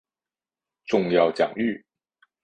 重要奖誉